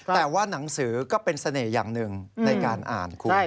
แต่ว่าหนังสือก็เป็นเสน่ห์อย่างหนึ่งในการอ่านคุณ